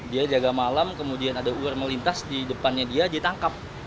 dia jaga malam kemudian ada ular melintas di depannya dia ditangkap